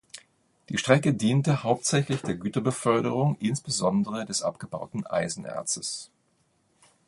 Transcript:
Die Strecke diente hauptsächlich der Güterbeförderung, insbesondere des abgebauten Eisenerzes.